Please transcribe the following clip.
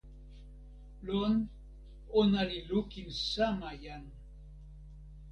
lon, ona li lukin sama jan.